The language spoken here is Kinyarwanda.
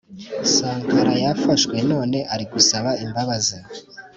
sankara yarafashwe none ari gusaba imbabazi